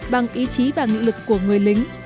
bằng ý chí và nghị lực của người lính